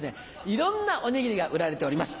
いろんなおにぎりが売られております。